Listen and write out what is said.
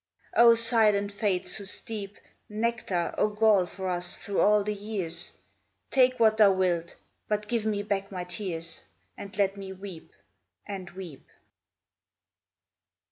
O silent Fates who steep Nectar or gall for us through all the years, Take what thou wilt, but give me back my tears, And let me weep and weep.